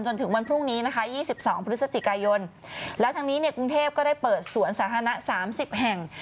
จนถึงวันพรุ่งนี้นะคะ๒๒พฤศจิกายนแล้วทางนี้เนี่ยกรุงเทพก็ได้เปิดสวนสาธารณะ๓๐แห่ง